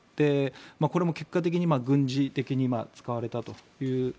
これも結果的に軍事的に使われたという。